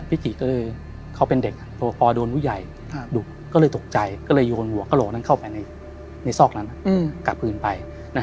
พิชิเค้าเป็นเด็กต่อก็ตกใจเลยกอลหากะโหลกก็เข้าไปในสอกเกบพื้นไป